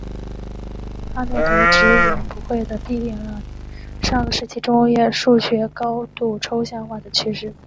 阿诺德直言不讳地批评了上个世纪中叶数学高度抽象化的趋势。